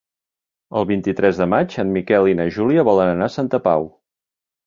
El vint-i-tres de maig en Miquel i na Júlia volen anar a Santa Pau.